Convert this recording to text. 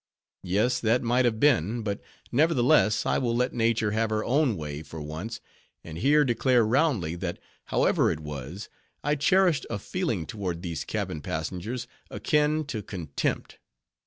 Yes: that might have been; but nevertheless, I will let nature have her own way for once; and here declare roundly, that, however it was, I cherished a feeling toward these cabin passengers, akin to contempt.